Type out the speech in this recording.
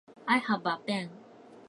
I have a pen.